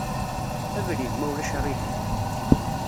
Abrid, ma ulac aɣilif.